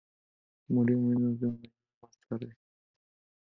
Murió menos de un año más tarde.